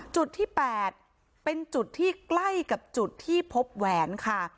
จุดที่๘เป็นจุดที่ใกล้กับจุดที่พบแหวนค่ะ